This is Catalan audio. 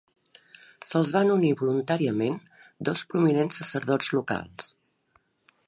Se'ls van unir voluntàriament dos prominents sacerdots locals.